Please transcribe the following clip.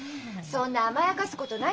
そんな甘やかすことないって。